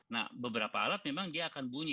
nah beberapa alat memang dia akan bunyi